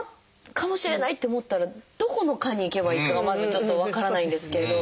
「かもしれない」って思ったらどこの科に行けばいいかがまずちょっと分からないんですけれど。